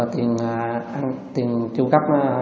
tiền trung cấp